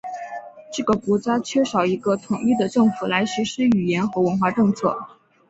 这个国家缺少一个统一的政府来实施语言和文化政策。